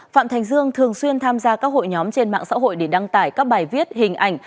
phạm thành dương thường xuyên tham gia các hội nhóm trên mạng xã hội để đăng tải các bài viết hình ảnh